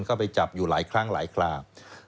เข้าไปจับอยู่หลายครั้งหลายคราบ